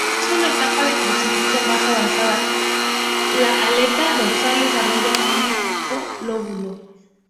En una etapa de crecimiento más avanzada, la aleta dorsal desarrolla un único lóbulo.